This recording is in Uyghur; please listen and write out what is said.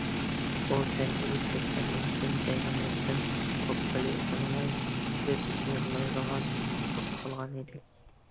ئۇ سەن ئۆلۈپ كەتكەندىن كېيىن جاينامازدىن قوپقىلى ئۇنىماي كۆپ يىغلايدىغان بولۇپ قالغانىدى.